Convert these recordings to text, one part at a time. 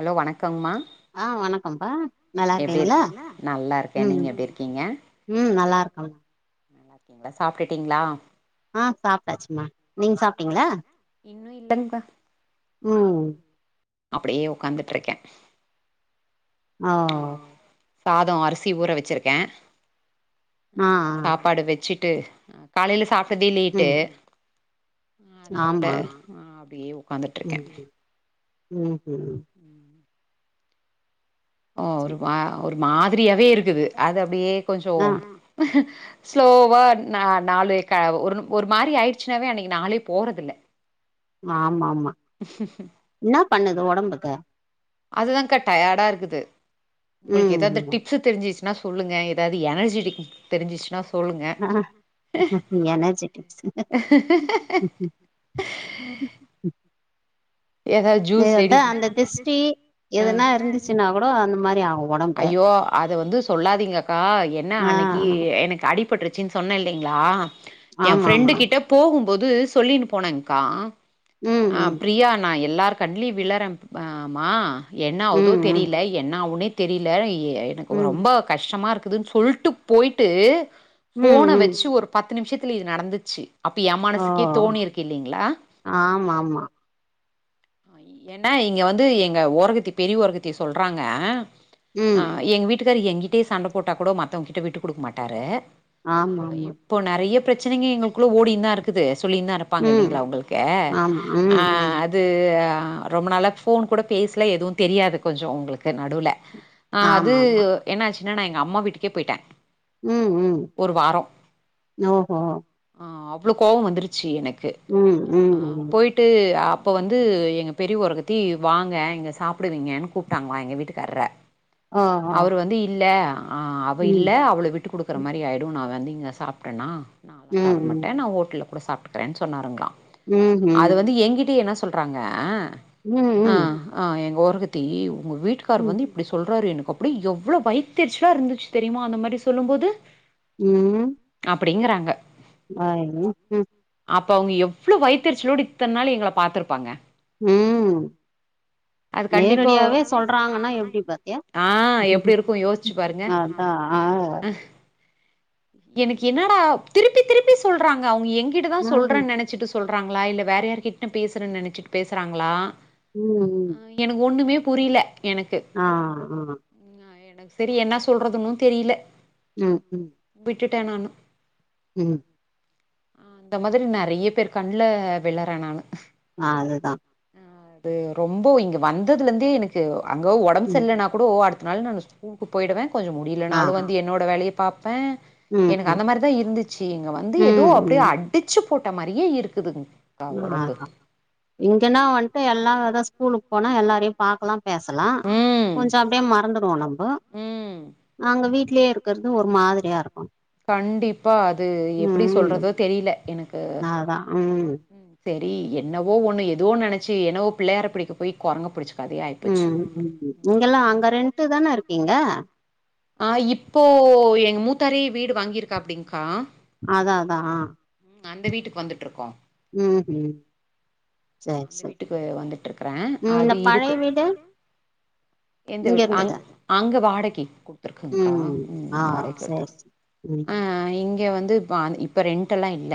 Hello வணக்கம்மா ஆ வணக்கம்ப்பா நல்லா இருக்கீங்ளா இருக் நல்லா இருக்கே ம் நீங்க எப்டி இருக்கீங்க ம் நல்லா இருக்கு நல்லா இருக்கீங்களா சாப்பிட்டுட்டீங்களா ஆ சாப்ட்டாச்சுமா நீங்க சாப்ட்டீங்களா இன்னு இல்லங்ப்ப உம் அப்டியே உக்காந்துட்டு இருக்க ஓ சாதோ அரிசி ஊற வச்சுருக்கே ஆ ஆ சாப்பாடு வச்சுட் ட்டு காலையில சாப்டதே லேட்டு ம் ஆ அதுனால ஆமா அப்டியே உக்காந்துட்டு இருக்கே உம் உம் ஓ ஒரு சரி மா ஒரு மாதிரியாவே இருக்குது அது அப்டியே கொஞ்சோ ஆ ஸ்லோவா ந நாலு ஒரு ஒரு மாரி ஆயிடுச்சுன்னாவே அன்னைக்கி நாளே போறதில ஆமா ஆமா என்னாப் பண்ணுது ஒடம்புக்கு அதுதான்கா டயர்டா இருக்குது உங்களுக்கு ஏதாவது ம் டிப்ஸ் தெரிஞ்சுச்சு சொல்லுங்க ஏதாவது எனர்ஜெடிக் தெரிஞ்சுச்சுன்னா சொல்லுங்க எனர்ஜெட்டிக்ஸ் ஏதது ஜூஸ் ரெடி அதா அந்த திஷ்டி ஆ எதுனா இருந்துச்சுன்னா கூட அந்த மாரி ஆகு ஒடம்பு ஐயோ அத வந்து சொல்லாதீங்க அக்கா என்ன ஆ அன்னைக்கி எனக்கு அ டி பட்டுருச்சின் சொன்ன இல்லைங்களா எ ஆமா பிரெண்டு ஆமா கிட்ட போகு போது சொல்லின்னு போனேங்கக்கா ம் ஆ ம் பிரியா நாயர் எல்லார் கண்லியும் விளர ஆமா என்னாவதோ ம் ம் தெரியல என்னவுனே தெரியல எனக்கு ம் ரொம்ப கஷ்டமா இருக்குதுன்னு சொல்ட்டு போயிட்டு ம் போன ம் வச்சு ஒரு பத் து நிமிஷத்துல இது நடந்துச்சு அப்ப ஓ எமானசுக்கே தோணி இருக்கு இல்லலைங்களா ஆமா ஆமா ஏன்னா இங்க வந்து எங்க ஓரகத்தி பெரிய ஓரகத்தி சொல்றாங்க ஆ ம் எங்க வீட்டுக்காரரு எங்க்கிட்டயே சண்ட போட்டா கூட மத்த வங்க கிட்ட விட்டு குடுக்க மாட்டாரு ஆ ஆமா ஆமா இப்போ நெறைய பிரச்சனைங்க எங்களுக்குள்ள ஓடினு தா இருக்குது சொல்லின்னு தா இருப்பாங்க ம் இல்லைங்களா உங்களுக்கு ஆமா ஆ ம் ம் அது ஆ ரொம்ப நாளா ஃபோன் கூட பேசல எதுவும் தெரியாது கொஞ்சம் அவங்களுக்கு நடுவுல ஆ அது ஆமா ஆமா என்ன ஆச்சுன்னா நா எங்க அம்மா வீட்டுக்கே போயிட்டே உம் உம் ஒரு வாரோ ஓ ஒ ஆ அவ்ளோ கோவம் வந்துருச்சு எனக்கு ம் ம் ம் போயிட்டு அப் போ வந்து எங்க பெரி ஓரகத்தி வாங்க எங்க சாப்பிடுவீங்கன்னு கூப்ட்டாங்களா எங்க வீட்டுக்காரர ஓஹோ அவரு வந்து இல்ல ஆ அவ ம் இல்ல அவள விட்டு குடுக்குற மாதிரி ஆயிடும் நா வந்து இங்க சாப்டன்னா நானலாம் சாப்பிட ம் மாட்டேன் நா ஹோட்டல கூட சாப்பிட்டுக்குறேன்ன சொன்னாருங்களா ம் அது ம் வந்து எங்கிட்ட என்ன சொல்றாங்க ம்ஹ்ம். ம் ஆ ம் ஆ எங்க ஒரு த்தி உங்க வீட்டு்கார் ம் வந்து இப்படி சொல் றாரு எனக்கு அப்படி எவ்ளோ வைத்தர்ச்சுலா இருந்துச்சு தெரியுமா அந்த மாதிரி சொல்லும் போது உம் அப்படிங்கறாங்க ஆ ம் ம் அப்ப அவங்க எவ்ளோ வைத்தரிச்சலோடு இத்தன நாள் எங்கள பாத்துருப்பாங்க உம் அது கண்டிப்பா நேரடியாவே சொல்றாங்கன்னா எப்படிப்ப ஏ பாரு ஆ எப்டி இருக்கு யோசிச்சு பாருங்க அதான் ஆ எனக்கு என்னடா திருப்பி திருப்பி சொல்றாங்க அவங்க எங்கிட்டதா ஆ சொல்றேன்னு நினைச்சிட்டு சொ சொல்காங்கள இல்ல வேறு யாருட்டனு பேசுறணன்னு நினச்சிட்டு பேசுறாங்களா உம் உம் புரியில ஆ ஆ எனக்கு சரி என்ன சொல்றதுனு தெரில ம் ம் விட்டுடே நானு ம் ஆ அந்த மாதிரி நறைய பேர் கண்ல விழறே நானு ஆ அதுதா அது ரொம்போ இங்க வந்ததுலந்தே எனக்கு அங்க ஒடம்பு ம் சர்லனா கூடோ அடுத் னாலு நானு ஸ்கூலுக்கு போயிடுவே கொஞ்சோ ஆ முடிலனாலு வந்து என்னோட வேலய பாப்பே ம் எனக்கு ம் அந்த மாரி தா இருந்துச்சு இங்க வந்து எதோ ம் அப்டே அடிச்சு போட்ட மாரியே இருக்குது அதா இங்கன்னா வன்ட்டு எல்லா எதா ஸ்கூலுக்கு போனா எல்லாரையு பாக்லா பேசலா ம் கொஞ்சோ அப்டே மறந்துரு ஒனக்கு ம் நாங்க வீட் ட்லே இருக்குறது ஒரு மாதிரியா இருக்கு கண்டிப்பா அது எப்டி ம் சொல்றதோ தெரில எனக்கு அதா ம் செரி என்னவோ ஒன்னு எதோ நெனச்சு என்னவோ பிள்ளையார பிடிக்க போயி கொரங்க புடிச்ச கதையா ஆயிப்போச்சு ம் ம் இங்கல்லா அங்க ரெண்ட்டு தான இருக்கீங்க ஆ இப்போ [unintelligible] வீடு வாங்கிருக்காப்புடிங்க்கா அதா அதான் அந்த வீட்டுக்கு வந்துட்ருக்கோ ம் ஹூம் சேர் அந்த சேர் வீட்டுக்கு வந்துட்ருக்குறே ம் அது இந்த இதுக்கு பழைய வீடு எந்த இங்க வீடு அங் இருந்ததா அங்க வாடைக்கு குடுத்துருக்கங் க்கா ஆ ம் வாடகைக் குடுத் சேரி சேரி ம் க வந்து இ இப்ப ரென்ட்டெல்லா இல்ல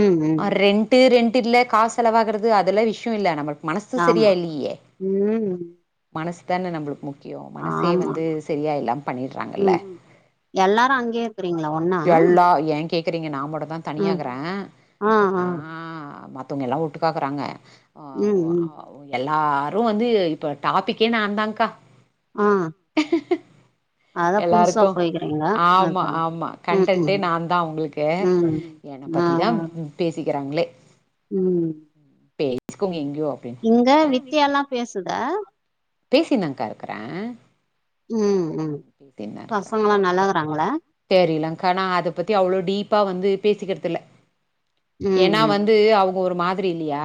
ம் ம் ரென்ட்டு ரென் இல்ல காஸ் செலவாகுறது அதெல்லா விஷ்யோ இல்ல நம்ம மனசு ஆமா செரியா இல்லியே ம் மனசு தான நம்ளுக்கு மு க்கியோ மனசே ஆமா வந்து சரியா இல்லாம பண்ணிர்றாங்கல்ல ம் எல்லாரு அங்கே இருக்றீங்ளா ஒன்னா எல்லா ஏ கேக்குறீங்க நா மட்டு தா தனியா ம் இக்குறே ஆ மத் தோங்க எல்லா ஒட்டுக்கா இக்குறாங்க அவு ம் ம் அவு எல்லா எல்லாரு வந்து இப்ப டாபிக்கே நா தாங் க்கா ஆ அதா புதுசா எல்லாருக்கு போய்க்கிறீங்களா ஆமா அதா ஆமா ம் கண்டன்ட்டே ம் நா தா அவுங்ளுக்கு ம் என்ன ஆ பத்திதா பே பேசிக்கிறாங்ளே ம் பேசிக்கோங்க இங் இங்க வித்தியா ல்லா பேசுதா பேசினு னாகா இருக்குறே ம் ம் பசங்கலா நல்லாக்குறாங்ளா தெரிலங் க்கா நா அத பத்தி அவ்ளோ டீப்பா வந்து பேசிக்கறது இல்ல ம் ஏனா ம் வந்து அவங்க ஒரு மாதிரி இல்லியா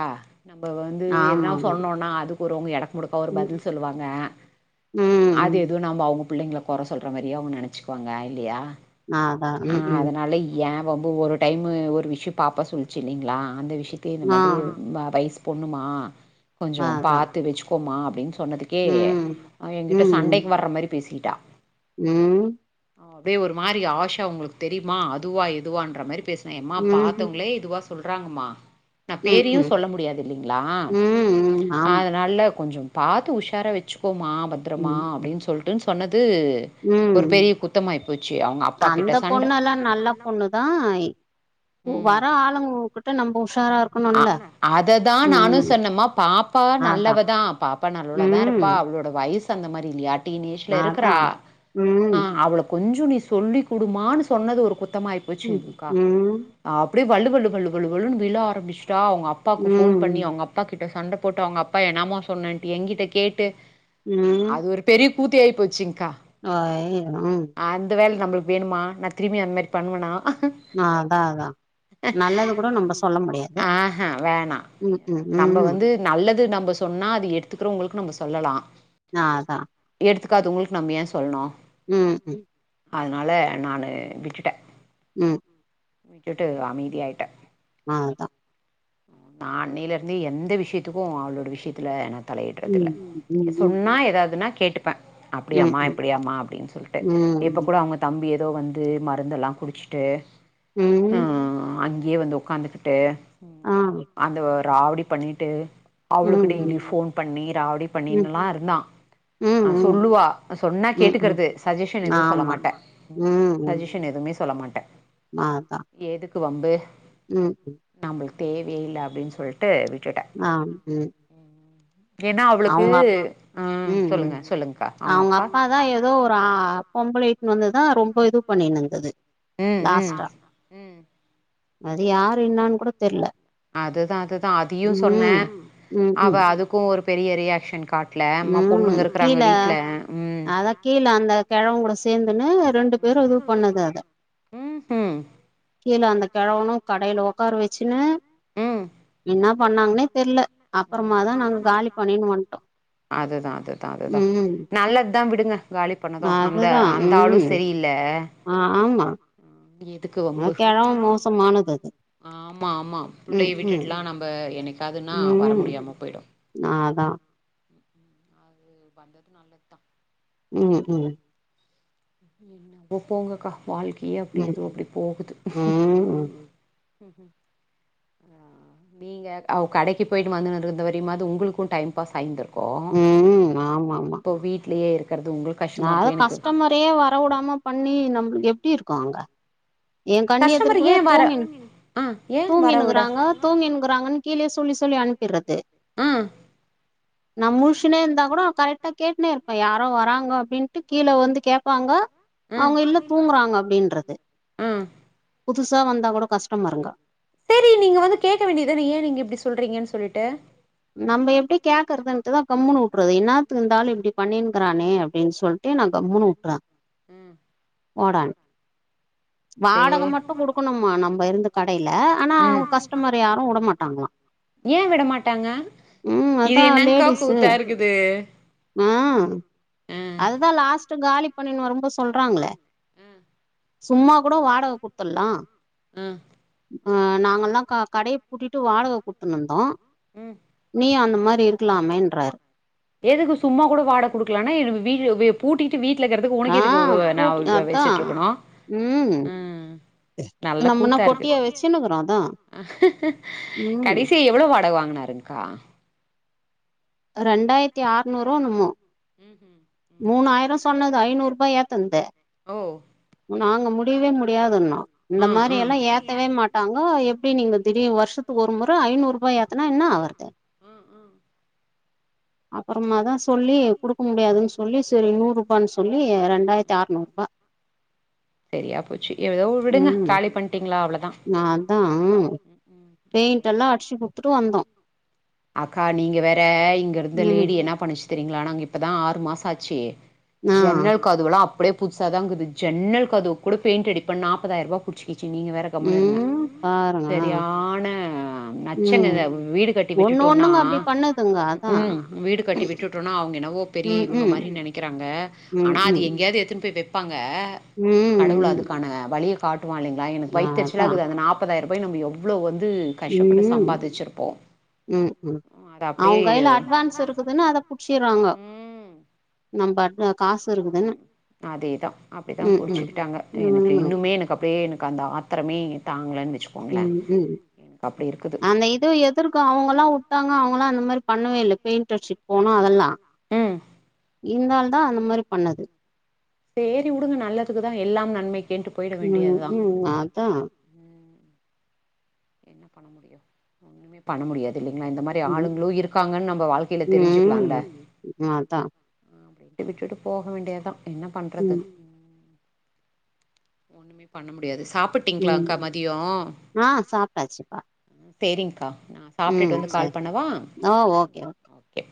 நம்ம வந்து எதனா ஆமா ஆமா சொன்னோனா அது ஒருவொங்க எடக்கு முடக்கா ஒரு ம் பதில் சொல்லுவாங்க ம் அது ம் எதுவு நம்ம அவங்க பிள்ளைங்கள கொற சொல்ற மாரியே அவங்க நெனைச்சுக்குவாங்க இல்லையா அதா ம் ம் அதனால ஏன் ரொம்ப ஒரு டைமு ஒரு விஷ்யோ பாப்பா சொல்லிச்சு இல்லைங்ளா அந்த விஷயத்த இந்த ஆ மாதிரி வய்சு பொண்ணுமா கொஞ்சோ அதா பாத்து வச்சுக்கோமா அப்டின்னு சொன்னதுக்கே ம் அவ என்ங்கிட்ட ம் ம் சண்டைக்கு வர்ற மாரி பேசிட்டா ம் அப்டே ஒரு மாரி ஆஷா உங்ளுக்கு தெரியுமா அதுவா எதுவான்ற மாரி பேஸ்னா எம்மா ம்ஹும் பாத்தவங்களே இதுவா சொல்றாங் ம்மா நா ம் பேரையு ம் சொல்ல முடியாது இல்லிங்ளா ம் ம் ஆமா அதனால கொஞ்சோ பாத்து உஷாரா வெச்சிக்கோமா பத்ரமா ம் ம் அப்டினு சொல்ட்டு இது ஒரு ம் பெரிய குத்தமாயி போ அந்த பொண்ணலா நல்ல பொண்ணு தா ம் வர ஆளுங்ககிட்ட நம் அததா நானு ம் சொன்னேம்மா பாப்பா அதா நல்லவதா பாப்பா நல்லவளா தா இருப்பா ம் அவளோட வயஸு அந்த மாரி இல்லயா டீன் ஏஜ்ல அதா இருக்குறா ம் அவுளுக்கு கொஞ்சோ நீ சொல்லி குடுமானு சொன்னது ஒரு குத்தமாயி ம் போச்சுங்க்கா ம் அப்டியே வள்ளுவள்ளுவள்ளுவள்ளு விழ ஆரம்பிச்டா அவங்க அப்பாக்கு ஃபோன் பண்ணி ம் அவங்க அப்பா கிட் சண்ட போட்டு அவங்க அப்பா என்னாம சொன்னன்ட்டு ஏகிட்ட கேட்டு அது ஒரு பெரிய [unintelligible] ஆயினும் நம்ளுக்கு வேனுமா நா திரும்பி அந்த மாரி பண்ணுவேனா அதா அதா நல்லது கூட நம்ப சொல்ல முடியாது ஆஹ வேணா ம் ம் நம்ப ம் வந்து நல்லது நம் ப சொன்னா அது எடுத்துக்கிறவங்களுக்கு நம்ப சொல்லலா ஆ அதா எடுத்துக்காதவங்களுக்கு நம்ம ஏ சொல்லனு ம் ம் அதனால நானு விட்டுட்டே ம் விட்டுட்டு அமைதி ஆயிட்டே ஆ அதா நா அன்னில இருந்தே எந்த விஷயத்துக்கு அவளோட விஷயத்துல தலையிடுறது இல்ல ம் ம் ம் சொன்னா எதாதுனா கேட்டு ப்பே அப்டியமா ம் இப்டியமா அப்டின்னு சொல்ட்டு ம் இப்ப ம் கூட அவங்க தம்பிய எதோ வந்து மருந்துலா குடிச்சிட்டு ம் அங்கயே வந்து ஒக்காந்துகிட்டு ஆ அந்த ராவுடி பண்ணிட்டு ம் அவுளுக்கு ம் டெய்லி ஃபோன் பண்ணி ராவுடி ம் பண்ணின்லா இருந்தா ம் ஆ சொல்லுவா சொன்னா ம் ம் ம் கேட்டுக்கறது சஜஷன் எதுவு சொல்ல ஆமா மாட்ட சஜஷன் எதுமே சொல்லமாட்டே நாதா க்கு வம்பு ம் ம் தேவயே இல்ல அப்டின்னு சொல் ஆ ம் ஏன்னா அவளுக்கு அவுங்க அப் ம் ம் சொல்லுங்க சொல்லுங்க்கா அவங்க அவுங்க அப்பா தா எதோ ஒரு ஆ பொம்பளைய இட்டுன்னு வந்துதா ரொம்ப இது பண்ணினுருந்தது ம் ம் லாஸ்ட்டா ம் அது யாரு என்னான் கூட தெர்ல அதுதா அதுதா அதையு சொன்னே ம் ம் அவ ம் அதுக்கு ஒரு பெரிய ரியாக்ஷன் காட் ம் கீழ ம் அதா கீழ அந்த கெழவெங்கூட சேந்துன்னு ரெண்டு பேரு எதோ பண்ணுது அத ம் ம் கீழ அந்த கெழவனு கடையில ஒக்கார வச்சின்னு ம் என்னா பண்ணாங்னே தெர்ல அப்பறமாதா நாங்க காலி பண்ணின்னு வன்ட்டோ அதுதா அதுதா அதுதா நல்லதுதா விடுங்க காலி பண்ணது அந்த அதுதா அந்த ஆளு ம் சரியில்ல ஆ ஆமா எதுக்கு அந்த வம்பு கெழவ மோசமானது அது ஆமா ஆமா ம் புள்ளைய ம் விட்டுட்லா நம்ப என்னைக்காதுன்னா வர முடியாம பொய்டு ஆ‌ ‌அதா நீங்க வந்தது நல்லத்தா ம் ம் என்னமோ போங்கக்கா வாழ்க்கையே அப்டி ம் எதோ அப்டி போகுது ம் ம் ஆ நீங்க அவ் கடைக்கு போயிட்டு வந்துன்னு இருந்த வரையுமாவ்து உங்களுக்கூ டைம் பாஸ் ஆயிந்துருக் ம் ம் ஆ இப்போ வீட்லயே இருக் நா அதா கஸ்டமரையே வர உடாம பண்ணி நம்ப்ளுக்கு எப்டி இருக்கூ அங்க ஏ கண்ணு கஸ்டமர் எதுர்க்கவே ஏ வர தூங்கினு ஆ ஏ வர விட தூங்கினுக்கிறாங்க தூங்கினுக்கிறாங்கன் கீழே சொல்லி சொல்லி அனுப்பிர்றது ஆ நா முழுச்சுன்னே இந்தா கூட கரெக்டா கேட்டுனே இருப்ப யாரோ வராங்கோ அப்டின்ட்டு கீழ வந்து கேப்பாங்க ம் அவங்க இல்ல தூங்குறாங்க அப்டின்றது ம் புதுசா வந்தா கூட கஸ்டமருங்க செரி நீங்க வந்து கேக்க வேண்டியதுதானே ஏ நீங்க இப்டி சொல்றீங்கன் சொல்லிட்டு நம்ப எப்படி கேக்குறதுன்ட்டுதா கம்முன்னு‌ உட்டுறது என்னாத்துக்கு இந்த ஆளு இப்டி பண்ணின்னுக்கிறானே அப்டின் சொல்லிட்டு நா கம்முன்னு உட்டுறே ம் போடான் சே வாடக மட்டு குடுக்கணுமா நம்ம இருந்த டையில ஆனா ம் அவுங்க கஸ்டமர் யாரூ உடமாட்டாங்ளா ஏ விட மாட்டாங்க ம் இது அதா என்னங்க்கா லேடிஸ்ஸு கூத்தா இருக்குது ஆ ஆ அதுதா லாஸ்ட்டு காலி பண்ணின்னு வரும்போத் சொல்றாங்ளே சும்மா கூட வாடக குடுத்துட்லா ம் ஆ நாங்கள்லா க கடைய பூட்டிட்டு வாடக குத்துன்னுந்தோ ம் நீயு அந்த மார் ரி இருக்கலாமேன்றார் எதுக்கு சும்மா கூட வாடக குடுக்கலான்னா [unintelligible] வெ பூட்டிட்டு வீட் லக்கிறதுக்கு ஆ உனக்கு எதுக்கு நாவ் பூட்டி அதா வச்சுட்ருக்கணூ ம் ம் நல்ல நம்மனா கூத்தாருக்கு பொட்டியா வச்சுன்னுக்குறோ அதா ம் கடைசியா எவ்ள கட வாங்குனாருங்க்கா ரெண்டாயிர்த்தி ஆற்நூறோ என்னுமோ ம்ஹும் மூணாயிரோ சொன்னது ஐநூறூபா ஏத்தந்து ஓ நாங்க முடியவே முடியாதுன்னோ இந்த ம் ம் மாரியெல்லா ஏத்தவே மாட்டாங்கோ எப் டி நீங்க திடீர் வருஷத்துக் ஒரு முற ஐநூறூபா ஏத்துனா என்ன ஆவற்து ம் ம் அப்புறமா அந் தா மார்லா சொல்லி குடுக்க குடுக் முடியாதுன்னு முடியாதுன் சொல்லி சரி செரி நூரூபான்னு நூறூபான் சொல்லி ரெண்டாயிரத்தி ரெண்டாயிர்த்தி அறநூரூபா ஆற்நூறு செரியா போச்சி ஏதோ விடுங்க காலி பண்ட்டீங்ளா அவ்ள நாந்தா பெயிண்டெல்லா அட்ச்சி குத்துட்டு வந்தோ அக்கா நீங்க வேற இங்கருந்த ம் லேடி என்ன பண்ணிச்சு தெரியூங்ளா நாங்க இப்பதா ஆறு மாசோ ஆச்சு ஆ ஜன்னல் கதவுலா அப்டே புதுசா தாங்குது ஜென்னல் கதவ் கூட பெயிண்ட் அடிப்பேன் நாப்பதாயிற்ரூபா புடிச் கீச்சி நீங்க வேற கம்முனுருங்க ம் பாருங்க செரியான ம் நச்சுனுத வீடு கட்டி விட்டுட் ஒண்ணு டோனா ஒண்ணுங்க அப்டி பண்ணுதுங்க அதா ம் வீடு கட்டி விட்டுட்டோனா அவுங்கென்னவோ பெரிய ம் இவுங்க ம் மாரி நெனைக்குறாங்க ம் ஆனா அது ம் எங்கேயாவ்து எடுத்துன் போய் வெப்பாங்க கடவுள் ம் அதுக்கான வழிய வாளுங்ளா எனக்கு அதா வயித்தெரிச்சலாக்குது அந்த நாப்பதாயிரூபாய நம்ம எவ்ளோ வந் து கஷ்டப்பட்டு சம்பாதிச்சிருப்போ அது அப்டியே அவுங் கையில அட்வான்ஸ் இருக்குதுனு அத புடிச்சுர்றாங்கோ அத ம் நம்பட்ன காசு இருக்குதுன் ம் அதேதா அப்டிதா புடிச்சுக்கிட்டாங்க எனக்கு ம் இன்னுமே எனக்கு அப்டியே எனக் க அந்த ஆத்தரமே தாங்ளனு ம் ம் அந்த இது எதுர்க்கு அவுங்கல்லா தாங்க அவுங்களாம் இந்த மேரி பண்ணவே இல்ல பெயிண்ட் அடிச்சுட்டு போனும் அதெல்லா ம் இதுனால தா அந்த மாரி பண்ணது சேரி வுடுங்க நல்லதுக்குதா எல்லாம் நன்மைகேன்ட்டு போயிட ம் வேண்டியதுதா ம் அதா ஒண்ணுமே பண்ண முடியாது இல்லைங்ளா இந்த மாரி ம் ஆளுங்களும் இருக்காங்கன்னு நம்ம வாழ்க்கையில தெரிஞ்சுக்கலால த விட்டுட்டு போக வேண்டியத்தா என்ன பண்றது ஒண்ணுமே பண்ண முடியாது ம் சாப்புட்டீங்களாகா மதியோ ஆ சாப்ட்டாச்சுப்பா சேரிங்கா நா சாப்ட்டுட்டு ம் வந்து கால் சரி பண்ணவா ஓ ஓகே ஓகே